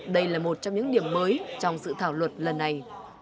đây là một trong những điểm mới trong dự thảo luật lần này